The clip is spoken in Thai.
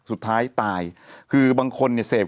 มีสารตั้งต้นเนี่ยคือยาเคเนี่ยใช่ไหมคะ